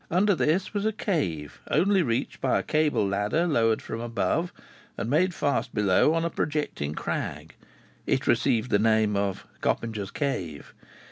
Under this was a cave, only reached by a cable ladder lowered from above, and made fast below on a projecting crag. It received the name of "Coppinger's Cave."